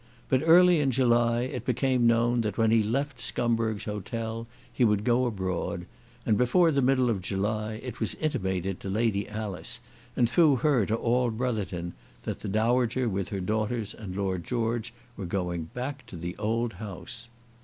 But early in July it became known that when he left Scumberg's Hotel, he would go abroad; and before the middle of July it was intimated to Lady Alice, and through her to all Brotherton, that the Dowager with her daughters and Lord George were going back to the old house.